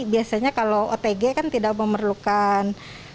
biasanya kalau otg kan tidak memerlukan